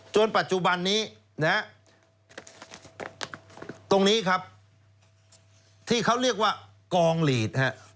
จนปัจจุบันนี้ตรงนี้ครับที่เขาเรียกว่ากองลีท